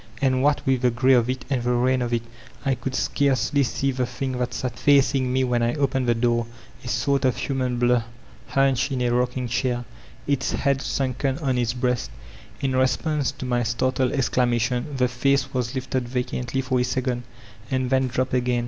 And what with the gray of it and the rain of it, I could scarcely see the thing thai sat facing me when I opened the door, — a sort of human blur, hunched in a rocking chair, its head sunken on its breast In response to my startled exclamation, the face was lifted vacantly for a second, and then dropped again.